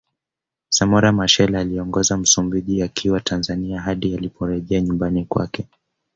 Samora Machel aliongoza Msumbiji akiwa Tanzania hadi aliporejea nyumbani kwake